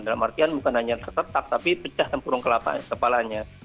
dalam artian bukan hanya ketertak tapi pecah tempurung kepala